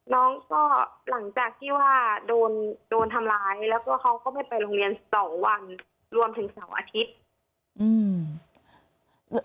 น้องก็หลังจากที่ว่าโดนโดนทำร้ายแล้วก็เขาก็ไม่ไปโรงเรียนสองวันรวมถึงเสาร์อาทิตย์อืม